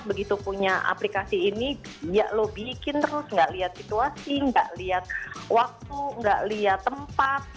begitu punya aplikasi ini ya lo bikin terus nggak lihat situasi nggak lihat waktu nggak lihat tempat